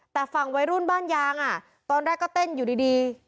แต่ฝั่งวัยรุ่นบ้านยางตอนแรกก็เต้นอยู่ดี